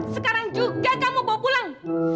sekarang juga kamu bawa pulang